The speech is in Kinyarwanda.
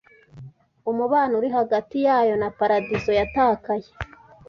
umubano uri hagati yayo na paradizo yatakaye.